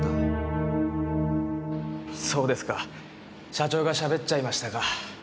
そうですか社長がしゃべっちゃいましたか。